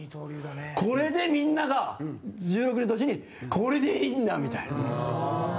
これで、みんなが１６年の年にこれでいいんだみたいな。